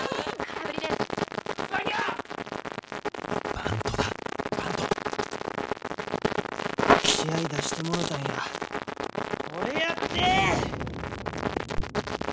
バントだバント試合出してもろたんや俺やって！